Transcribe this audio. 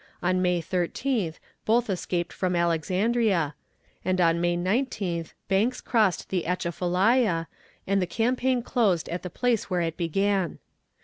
On May 13th both escaped from Alexandria, and on May 19th Banks crossed the Atchafalaya, and the campaign closed at the place where it began.